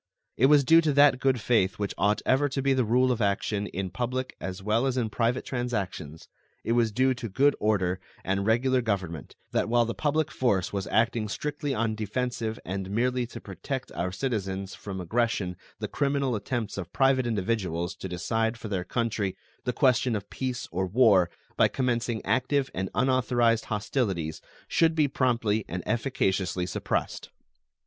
It was due to that good faith which ought ever to be the rule of action in public as well as in private transactions, it was due to good order and regular government, that while the public force was acting strictly on defensive and merely to protect our citizens from aggression the criminal attempts of private individuals to decide for their country the question of peace or war by commencing active and unauthorized hostilities should be promptly and efficaciously suppressed.